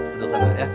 duduk sana ya